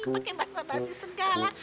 pake bahasa basi segala